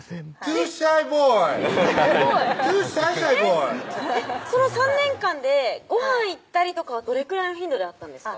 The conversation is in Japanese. トゥーシャイボーイトゥーシャイシャイボーイその３年間でごはん行ったりとかはどれくらいの頻度であったんですか？